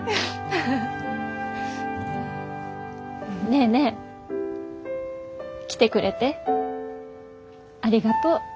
ネーネー来てくれてありがとう。